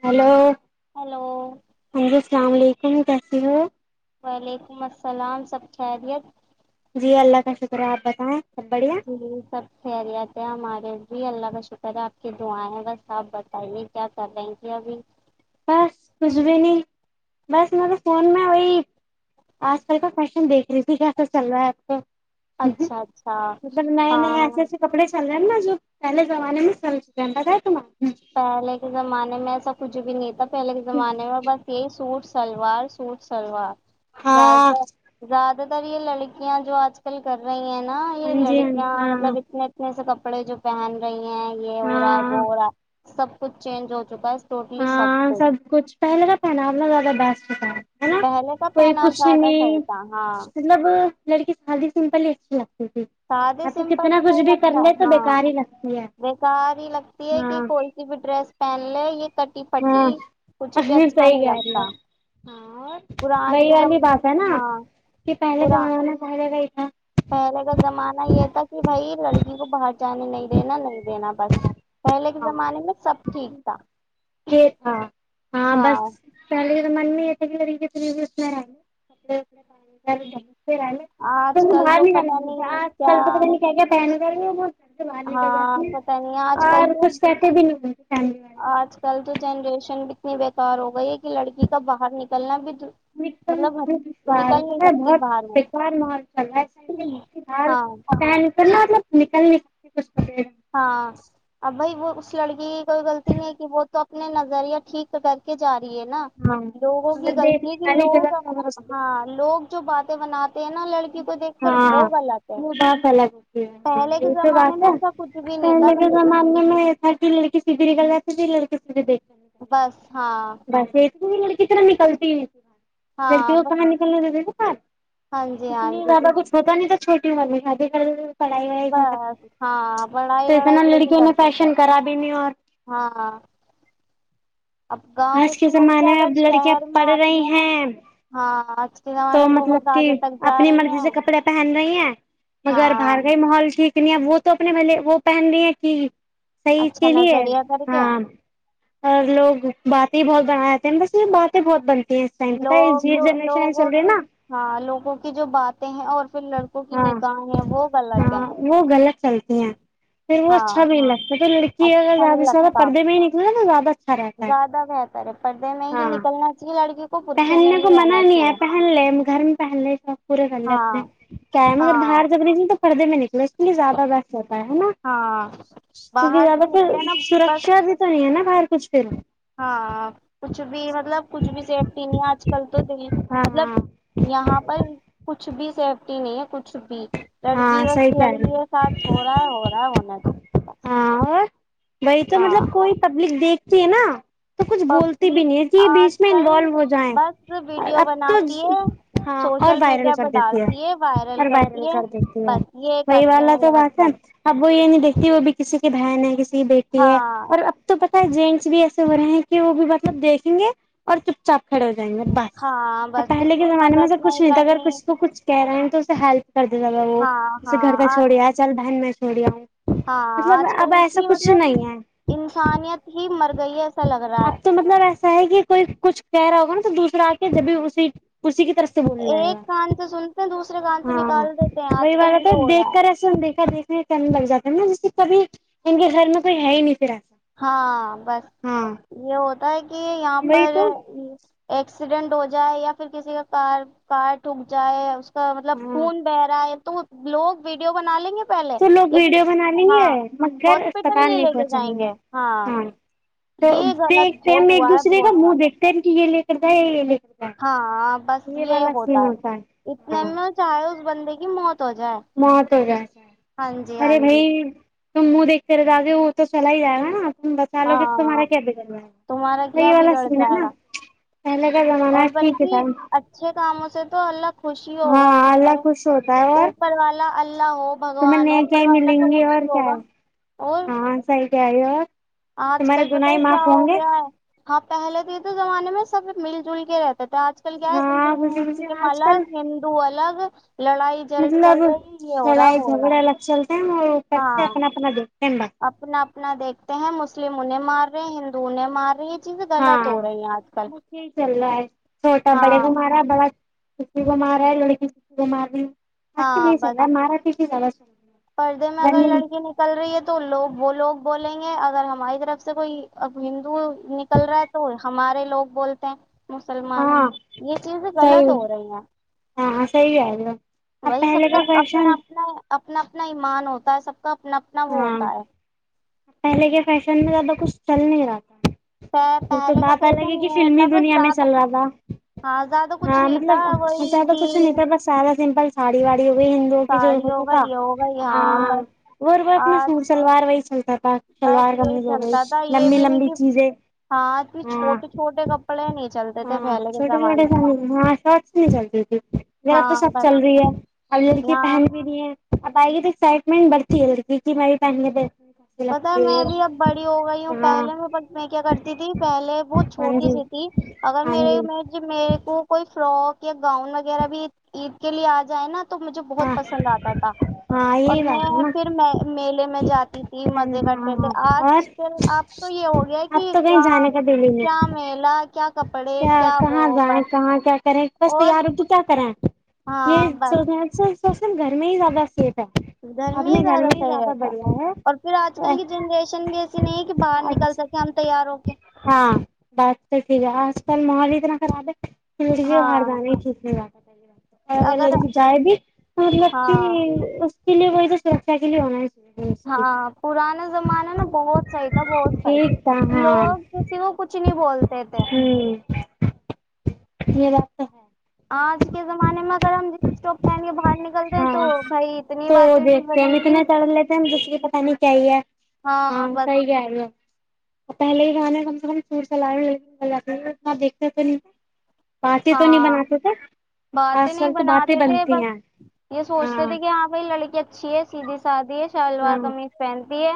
Hello hello جی السلام علیکم کیسے ہو وعلیکم السلام سب خیرییت جی اللہ کا شکر ہے آپ بتائیں بڑھیا جی سب خیریت ہے ہمارے جی اللہ کا ش شکر ہے آپ کی دعیں ہیں بس آپ بتائیے کیا کر رہے گ ابھی بس کچھ بھی نہیں بس میںطلب فون میں وہی آج کل کا فیشن دیکھ رہی تھی کیسا چل رہا ہے آپ کا اچھا اچھا مطب نئے نئے ہاں ایسے ایسے کپڑے چل نا جو پہے زمانے میں چل چکے ہیں بتا ہے تمہارے پہلے کے زمانے میں ایسا کچھ بھی نہیں تھا پہلے کے زمانے میں بس یہی سوٹس سلوار سوٹ سلوار ز ہاں ز زیادہ تر یہ لڑکیاں جو آج کل کر رہی ہیں نا یہ ہاں جی لڑکیاں ہاں مطلب اتنے اتنے سے ک کپڑے جو پہن رہی ہیں یہ یہ اورا ہاں گوورا سب کچھ چینج ہو چکا ہے ہاں سب کچھ پہلے کا پہناؤ ن زیادہ بیسٹ ہوتا ہے ہے نا پہلے کا کوئی پہناؤ کچھ زیادہ نہیں صحیح تھا ہاں مطلب لڑکی ساددی سمپل ہی اچھی ہے سادے سمپل ہی صحی لگتا لے ہے تو ہاں بیکار ہی لگتی ہے بیکار ہی لگتی ہے کہ ہاں کوئی سی بھی ڈریس پہلے یہ کٹی پھٹی ہاں کچھ بھی صحی اچھا نہیں کہہ رہی ہ لگتا پرانے وہی کے والی زم بات ہے نا ہاں کہ پہلے تو پورا میں نے پہلے تھا پہلے کا زمانہ یہ تھا کہ بھائی لڑکی کو باہر جانے نہیں دینا نہیں دینا بس پہلے کے ہاں زمانے میں سب ٹھیک تھا یہ تھا ہاں بسرے من میں یہ کہ بھینا ہے کپڑے پ پھر آج کل باہر تو نکال پتا نہیں آج کیا کل تو پ کہ کیا پہ گر [unintelligible] سے باہر نکل ہاں جاتی ہیں پتا نہیں آج کل اور تو کچھ کہتے بھی نہیں ملتی فملی والے آج کل تو جنریشن اتنی بیکار ہو گئی ہے کہ لڑکی کا باہر نکلنا بھی د- نکلنا مطلب نہیں دشوار نکل نہیں مل سکتی بہت باہر وہ بیکار ماحول چل رہا ہاں ہے نکلنا مطلب نکل نکلتے کچھ کپڑے ڈھنگ ہاں ا بھائی وہ [unintelligible] اس لڑکی کی کوئی غلطی نہیں کہ وہ تو اپنے نظرییا ٹھیک کر کے جا رہ ہے نا سے ہاں لوگوں کی اگر غلط دیکھنے ہے کہ والے لوگ غلط نہ ہو ہاں سکے. لوگ جو بات مناات [unintelligible] ت نا لڑکی کو دیکھ کر ہاں وہو بل آاتتے ہیں وہ بات پہلے کے زمانے میں ل کچھ بھی کہ نہیں توم تھا میں سار ل کہ سگری گلا [unintelligible] لگ دیک بس ہاں [unintelligible] بس یہ [unintelligible] ی لڑکی طرح نکلتی [unintelligible] متی ہاں وہ بس کہاں نکلے د دیدی ہاں جی است ہاں لی بابا جی کچھ ہوتا نہیں تھا چھوٹی والی ابھی کل پڑھائی وڑائی کر بس ت ہاں تو بڑائی اس وڑائی کوئی نہیں لڑکیوں نے کرتے تھے فیشن کرا بھی نہیں اور ہاں اب گاؤں آج کے کی لڑکیاں زمانے میں اگر اب لڑکیاں شہر میں پڑھ آتی رہی ہے نا ہیں ہاں آج کے زمانے تو میں بہت مطلب کہ آگے تک جا اپنی رہی مرضی ہیں سے کپڑے پہن رہی ہیں مگر باہر ہاں کا ہی ماحول ٹھیک وہ تو اپنے بھے وہ پہن رہی ہیں کہ [unintelligible] صحیح اچھا کے لیے نظریہ کر کے ہاں اور لوگ بات ہی بہت بنااتے ہیں بس یہ باتیں بہت بن لوگ یہ جو جنرین چل لوگوں رہی کی نا ہاں لوگوں کی جو باتیں ہیں اور پھر لڑکوں کی ہاں نگاہیں ہیں وہ غلط ہے ہاں وہ غلط چلتی ہیں پھر وہ اچھا ہاں بھی نہیں لگتا تو لڑکی اگر اچھا زیادہ نہیں سے زیادہ لگتا پردے میں ہی نکلےا زیادہ اچھا رہتا ہے [unintelligible] زیادہ بہتر ہے پردے میں ہی ہاں نکلنا چاہے لڑکی کو برقعے میں پہننے ہی کو منع رہنا نہیں ہے چاہیے پہن لے گھر میں پہن لیں شوق پورے کر لے اپنے ہاں کیا ہے مگر ہاں باہر جک رہی ت تو پرد میں نکلے اتنی زیادہ بس نا ہاں کیونکہ باہر جو زیادہ تر نکلے نا بس سرکشا بھی تو نہیں ہے نا باہر کچھ پھر ہاں کچھ بھی مطلب کچھ بھی سیفٹی آج کل تو د ہاں مطلب ہاں یہاں پر کچھ بھی سیفٹی نہیں ہے کچھ بھی لڑکی ہاں بس صحیح کہہ لڑکی رہی کے ہو ساتھ ہو رہا ہے ہو رہا ہے ہونا تو ہاں اور وہی تو ہاں مطلب کوئی پبلک دیکھ ج نا تو کچھ بولتی بھی پبلک نہیں ہے کہ یہ آج بیچ میں کل انوالو ہو جائیں بس ویڈیو اب تو بناتی ہے ہاں اور سوشل وائرل میڈیا کر پہ دیتی ہے ڈالتی اور وائرل کرتی ہے کر دیتی ہے بس یہ وہی کرتے والا ہیں تو آج بات ہے کل اب وہ یہ نہیں دیکھتی وہ بھی کسی کی بہن ہے کسی کی بیٹی ہے ہاں اور اب تو ہے جینٹس بھی ایسے ہو رہے ہیں کہ وہ بھی مطلب دیکھیں گے اور چپ چاپ کھڑے ائیں گ بس ہاں ا بس پہلے کسی کے کی زمانے میں س مدد کچھ نہیں تھا اگر کرنی کچھ تو کچھ کہہ رہے ہیں تو سحل کر دی تھا وہ ہاں اسے ہاں گھر کا آج چھوڑیا چل بہن میں چھوڑیا ہوں ہاں مطلب آج اب کل ایسا کی کچھ مطلب نہیں ہے انسانیت ہی مر گئی ہے ایسا لگ رہا اب تو مطلب ایسا ہے کہ کوئی کچھ کہہ رہا ہوگا نا تو دوسرا کے جبھی اسی اسی کی طرف سے بول رہ ہے ایک کان گا سے سنتے ہیں دوسرے کان سے ہاں نکال دیتے ہیں وہی آج کل بات ہے یہ ہو رہا دیکھ کر ایسے دیکھا دیکھنے کم لگ جاتا ہم کبھی ان کے گھر میں کوئی ہے ہی نہیں پھر آ ہاں بس یہ ہو [unintelligible] کہ یہاں وہی پر تو ایکسیڈینٹ ہو جائے یا پھر کسی کا کار کار ٹھک جائے مطلب ہاں خون بہ رہا ہے تو لوگ ویڈیو بنا لیں گے پہلے تو لوگ لیکن ویڈیو بن لیں ہاں گے م گھر ہاسپٹل اسپتال نہیں لے کے جائیں پہنچائیں گے ہاں تو یہ غلط دتے ہم بہت ایک ہوا ہے دوسرے کا بہت م زیادہ دیکھتےم کہ گ لی بھائی ہاں بس یہ ہوتا ہے اتنے میں چاہے بند کی موت ہو جائے مت ہاں جی ہاں ارے جی بھائی تو منہ دیکھ کر جاگے وہ تو چلا ہی جائے گا نا تم بتا لو کہ تمہارا ہاں کیا بکل جائے تمہارا گا کیا صحیح والا بگڑ سنا جائے نا گا پہلے کا زمانہ اور ٹھیک تھا بلکہ اچھے کاموں سے تو اللہ خوش ہی ہوگا ہاں اللہ تمہارے خوش ہوتا ہے اور اوپر والا اللہ ہو تمہیں بگوان ہوپر نیکیاں والا تو ملیں گی خوش ہی اور کیا ہوگا ہے، اور ہاں صحیح کہہ رہی ہو اور آج تمہارے کل پت گناہ ہے کیا معاف ہو ہوں گے گیا ہے ہاں پہلے تھ تو زمانے میں سب مل جل کے رہتے تو آج کل کیا ہے ہاں خوشی خوشی مسلم آج کل الگ ہندو الگ لڑائی جل چل مطلب رہی یہ ہو رہا لڑائی وہ ہو رہا جھگڑے الگ چلتے ہیں اور اوپر سے ہاں اپنا اپنا دیکھتے ہیں بس اپنا اپنا دیکھتے ہیں مسلم انہیں مار رہے ہندوں نے مار رہی چیزیں غلط ہاں ہو ہیں آج کل بس یہی چل رہا ہے چھوٹا بڑے ہاں کو مارا بڑا کسی کو مار رہا ہے لڑکی کسی کو مار رہی ہے مس ہاں بس بیسلہا ماراات کی زا پردے میں اگر لڑکی نکل رہی ہے تو لوگ وہ لوگ بولیں گے اگر ہماری طرف سے کوئی ہندو نکل رہا ہے تو ہمارے لوگ بولتے ہیں مسلمان ہاں یہ چیزیں غلط صحیح ہو رہی ہیں ہاں صحیح کہہ رہی ہو اب وہی سب پہلے کا فیشن اپنا اپنا اپنا اپنا ایمان ہوتا ہے سب کا اپنا اپنا وہ ہاں ہوتا ہے پہلے کے فیشن میں زیادہ کچھ چل نہیں رہاتا ہے وہ تو پہلے کا بات الگ ہے فیشن کہ یہ فلمی تھا بس دنیا میں زیادہ چل رہا تھا ہاں زیادہ کچھ ہاں نہیں تھا وہی مطلبتادہ جی کچھ نہیں تھا بس سارا سمپل ساڑی واڑی ہو گئی ہندوؤں کی جو ساڑی ہوتا ہوگا تھا یہ ہوگا یہاں ہاں بس اپتنا سٹ آج سلوار و س تھا بس شلوار یہی کمیز ہو گئی چلتا تھا یہ لمبی بھی نہیں لمبی کہ چیزیں ہاں کہ ہاں چھوٹے چھوٹے کپڑے نہیں چلتے تھے ہاں پہلے کے چھوٹے چھوٹے زمانے میں ہاں شرٹس نہیں چلتی تھی ذرا تو ہاں سب بس چل رہی ہے اب لڑکی یہاں پہن بھی بھی ہے اپ آ گ اسائٹمنٹ بر لڑکی کی می پانی پت میں بھی اب بڑی ہو گئی ہوں ہاں پہلے میں میں کیا کرتی تھی پہلے وہ ہاں چھوٹی جی سی تھی اگر ہاں میرے جی میں میرے کو کوئی فراک یا گاؤن وغیرہ بھی عید کے لیے آ جائے نا تو مجھے بہت ہاں پسند آتا تھا ہاں اور یہی بات ہے میں نا پھر میلے میں جات مزے ہاں کرتے تھے ہاں اور آج کل آپ تو یہ ہو گیا اب کہ تو کہیں کہاں جانے کا دل ہی نہیں کیا کرتا میلہ کیا کپڑے کیا وہ کہاں جائیں بس کہاں کیا کریں بس اور تیارد کیا کریں یہ ہاں بس سگیا سے تو سر گھر میں ہی زیادہ سیف اپنے گھر میں ہی زیادہ بڑھیا ہے اور پھر آج کل کی جنریشن بھی ایسی نہیں ہے کہ باہر نکل اچھا سکے ہم تیار ہو کے ل ماحول اتنا خراب ہے زندگیوں ہر ہاں گانے کچنے گا بتائیے گا اگر ا جائے بھی م لتی ہاں ک لیے کوئی تو سرچا کے لیے ہونا ہے جس ہاں پرانا زمانہ نا بہت صحیح تھا بہت ٹھیک صحیح ہاں لوگ کسی کو کچھ نہیں بولتے تھے ہوں یہ رقت ہے آج کے زمانے میں اگر ہم جس ٹاپ پہن کے باہر نکلتے ہیں تو ہاں بھائی اتنی تو باتیں نہیں بنےیں گی نی چاہیے ہاں سی گ رہ پہلے ہی زان کم سے کم سور سلات آپ دیکھتےتے نہیں باتیں تو نہیں ہاں بناتے تھے باتیں آج نہیں کل تو باتیں بناتے تھے بنتی بس ہیں یہ سوچتے تھے کہ ہاں بھائی لڑکی اچھی ہے سیددھی سادھی ہاں شلوار قمیص پہنتی ہے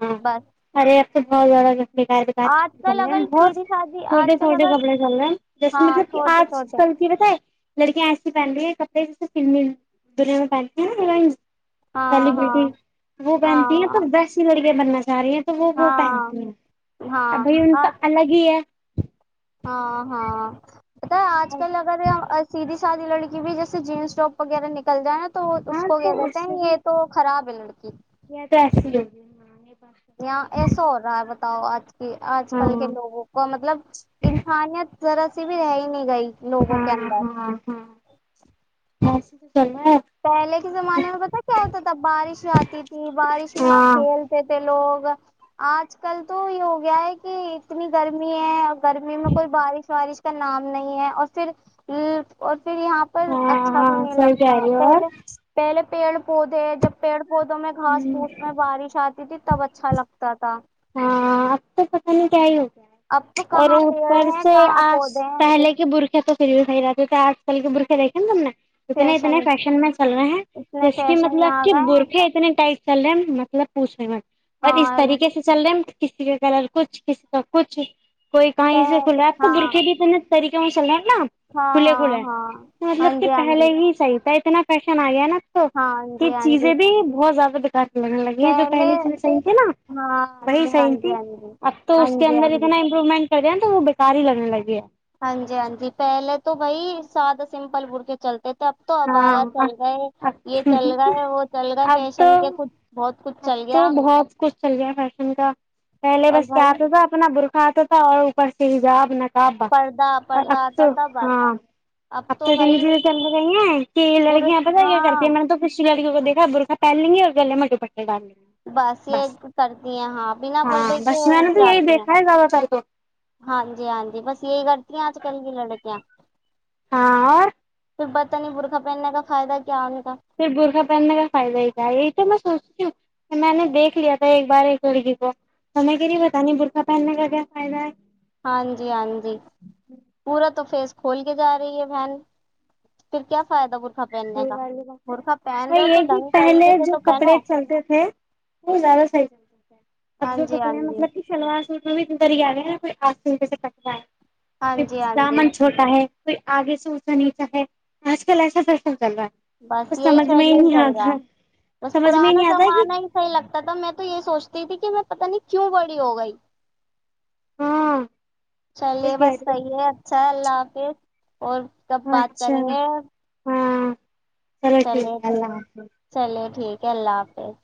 ہاں بس ا رے سے ب جڑ گا بگیر بگیر کڑے آج چل کل رہے ہیں اگر بہت سیدھی سادی چھوٹے آج کل چھوٹے اگر کپڑے چل رہے ہیں جیسے ہاں مطلب کہ چھوٹے آج چھوٹے کل کی بتائے لڑکیاں ایسی پہن رہی ہے کپڑے جیسے فلمی دنیا میں پہنتی ہیں نا ل ہاں سیلیبریٹی ہاں وہ پہنتی ہیں ہاں پر بیسٹ بیا بننا چ رہی ہیں تو وہ ہاں وہ پہنتی ہیں اب ہاں بھائی ان ہاں کا الگ ہی ہے بت ہے آج اور کل اگر سیدھی سادی لڑکی بھی جیسے جینسٹاپ وغیرہ نکل جائےا تو تو اس ہاں کو کہ دیتے ہیں یہ تو خراب ہے ل جی یہ تو ایسیے لوگ ہیں یا ایسا ہو رہا ہے ب تو آ آج کل کے ہاں لوگوں کو مطلب انسانیت ذرا سی بھی رہ ہی نہیں گئی لوگوں کے ہاں اندر ا پہلے کے زمانے میں پتا کیا ہوتا تھا بارش آتی تھی بارش میں ہاں کھیلتے تھے لوگ آج کل تو یہ ہو گیا ہے کہ اتنی گرمی ہے گرمی میں کوئی بارش وارش کا نام نہیں ہے اور پھر پھر یہاں پر ہاں اچھا بھی ہاں نہیں صحیح لگتا کہہ رہی ہو پہلے پہلے پیڑ پودے جب پیڑ پودوں میں گا اور پوس میں بارش آتی تھی تب اچھا لگتا تھا ہاں اب تو پت نہیں کیا ہی ہو اب تو اور کہاں پیڑ اوپر ہیں سے کہاں آ پودے ہیں پہلے کے برکے ت فی خائیاے آج کل کی برکھے دیکین توم نے اتنے اتنے فیشن میں چل رہے ہیں اتنے جس کی فیشن میں مطلب آ کہ گئے ہیں۔ برفے اتنے ٹائٹ چلے مطلب پوچے م اور اس ہاں طریقے سے کسی کا کلر کچھ کسی کا کچھ کوئی کہیں سے کھلاپ تو ہاں برکے بھی تو طریق کیانسل ال ہیں ن ہاں کھلے ہاں کھلے ہاں ہاں مطلب کہ جی ہاں پہلے جی ہی صحیح تھا اتنا فیشن آ گیا نا تو ہاں یہ جی ہاں جی چیزیں بھی بہت زیادہ د لگنے لگی ہیں جو پہلے سے میں صحیح تھے نا ہاں وہی جی سح ہاں جی ت ہاں جی اب تو ہاں اس کے جی ہاں اندر جی اتنا امپروومنٹ کر تو وہ بےکاری ہی لگنے لگے ہے ہاں جی ہاں جی پہلے تو بھائی سادہ سمپل برکے چلتے تھے اب تو ابایا ہاں چل گئے یہ چل گا ہے وہ چل گا اب تو فیشن کے کچھ بہت کچھ اب چل گیا تو بہت کچھ چل گیا فیشن کا پہلے اور بس کیا بھائی آتا تھا اپنا کھاتا تھا اور اوپر سے حزاب نہ با پردہ اور پردہ اب آتا تو تھا بس ہاں اب تو اتنی چزیں چل گی ہیں کہ لڑکیاں برش پتا کیا کرتی ہاں ہیں م نے تو خوش کو دھا برہ پہ ل گی اور گلے مٹے پکے بس یہ کرتی ہیں ہاں بنا پرڑ ہاں د کے بس میں نے تو یہی جاتتی ہیں دیکھا ہے زیادہ تر تو ہاں جی ہاں جی بس یہی کرتی ہیں اج کل بھی لڑکیا ہاں اور برتنی برخا پہننے کا فائدہ کیا ان کا توھر برخا پیننا کا فائدہ ہے کیا ہے یہ تو م سو میں نے دیکھ لیا تھا ایک بار ایک لڑکی کو تو میں کہ نہیں بت نہیں برقہ پہننے کا کیا فائد ہے ہاں جی ہاں جی پورورا تو فیس کھول کے جا رہی ہے بہن پھر کیا فائدہ ب کوئی ب یہ بات تو یہ کہ ڈھنگ پہنے طریقے سے جو تو کپڑے پہنو چلتے تھے وہ زیادہ صحیح چلتے تھے اب ہاں جو جی کپڑے ہاں ہیں جی مطلب کہ شلوار سو میں بھی ات طریقے آگئے کوئی آس طریقے سے کٹنا ہاں ہے پ جی ہاں جی دامن چھوٹا ہے کوئی آگے سوچا نہیں چاہے آج کل ایسا کر ا بس یہی فیشن چل رہا ہے بس سمجھ میں ہی پرانا نہیں آتا ہے کہ زمانہ ہی صحیح لگتا تھا میں تو یہ سوچتی تھی کہ میں پت نہیں کیوں بڑی ہو گئی ہاں صحیح چلیے کہہ بس رہی صحیح ہے اچھا اللہ [unintelligible] اور کب ہو بات کریں اچھا گے ہاں چلو ٹھیک ہے چلو ٹھیک اللہ حافظ